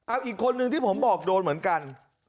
เอาอีกคนนึงที่ผมบอกโดนเหมือนกัน